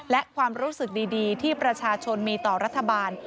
และความรู้สึกดีที่ประชาชนมีต่อรัฐบาล